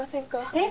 えっ？